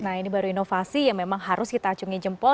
nah ini baru inovasi yang memang harus kita acungi jempol